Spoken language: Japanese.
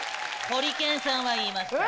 ホリケンさんは言いました。